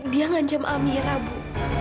dia ngancam amirah bu